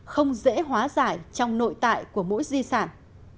không dễ hóa giải trong nội tại của mỗi di sản